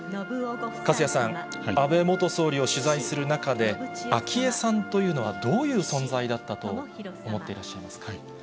粕谷さん、安倍元総理を取材する中で、昭恵さんというのは、どういう存在だったと思っていらっしゃいますか。